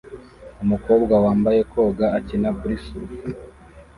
Umukobwa wambaye koga akina kuri surf